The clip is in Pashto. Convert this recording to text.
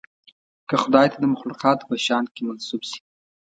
که خدای ته د مخلوقاتو په شأن کې منسوب شي.